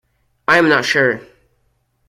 I am not sure.